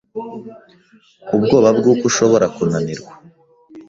ubwoba bw’uko ushobora kunanirwa